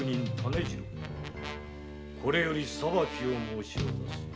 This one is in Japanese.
これより裁きを申し渡す。